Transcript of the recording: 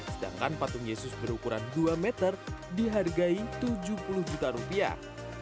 sedangkan patung yesus berukuran dua meter dihargai tujuh puluh juta rupiah